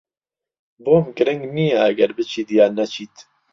بۆم گرنگ نییە ئەگەر بچیت یان نەچیت.